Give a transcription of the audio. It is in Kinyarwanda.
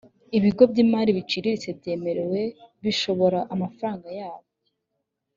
ibigo by’imari biciriritse byemerewe bishobora amafaranga yabo